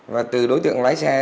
và từ đối tượng lái xe